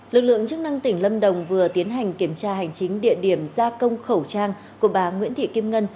lực lượng chức năng tỉnh lâm đồng vừa tiến hành kiểm tra hành chính địa điểm gia công khẩu trang của bà nguyễn thị kim ngân